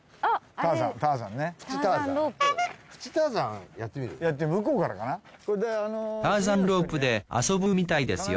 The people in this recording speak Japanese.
ターザンロープで遊ぶみたいですよ